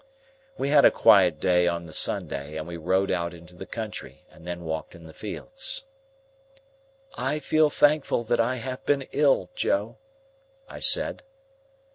We had a quiet day on the Sunday, and we rode out into the country, and then walked in the fields. "I feel thankful that I have been ill, Joe," I said.